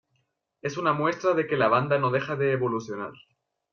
Es una muestra de que la banda no deja de evolucionar.